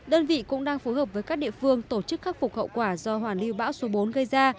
đơn vị cũng đang phối hợp với các địa phương tổ chức khắc phục hậu quả do hoàn lưu bão số bốn gây ra